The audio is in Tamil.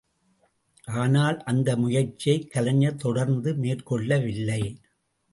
ஆனால், அந்த முயற்சியை கலைஞர் தொடர்ந்து மேற்கொள்ளவில்லை.